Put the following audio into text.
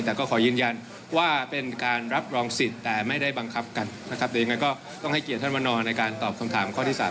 แต่ก็ขอยืนยันว่าเป็นการรับรองสิทธิ์แต่ไม่ได้บังคับกันนะครับแต่ยังไงก็ต้องให้เกียรติท่านมานอนในการตอบคำถามข้อที่๓